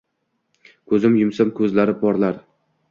Koʼzim yumsam, koʼzlari porlar